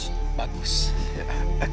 ini bayaran untuk kalian